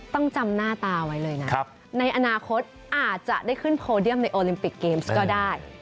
จำหน้าตาไว้เลยนะในอนาคตอาจจะได้ขึ้นโพเดียมในโอลิมปิกเกมส์ก็ได้